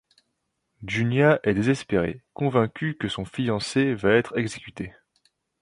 Giunia est désespérée, convaincue que son fiancé va être exécuté.